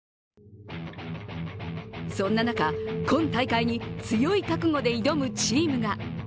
そんな中、今大会に強い覚悟で挑むチームが。